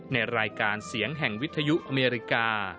ในรายการเสียงแห่งวิทยุอเมริกา